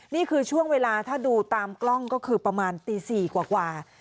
นี่คือช่วงเวลาถ้าดูตามกล้องก็คือประมาณตี๔กว่า